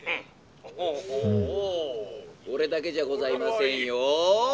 「これだけじゃございませんよ。